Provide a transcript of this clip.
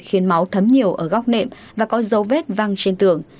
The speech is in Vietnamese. khiến máu thấm nhiều ở góc nệm và có dấu vết văng trên tường